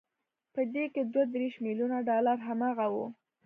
په دې کې دوه دېرش ميليونه ډالر هماغه وو